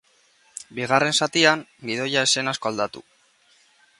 Bigarren zatian, gidoia ez zen asko aldatu.